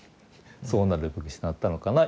そうなるべくしてなったのかな